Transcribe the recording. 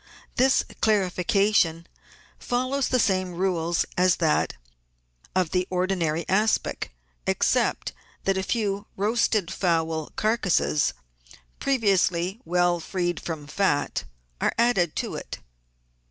This clarification follows the same rules as that of the ordinary aspic, except that a few roasted fowl car cases, previously well freed from fat, are added to it.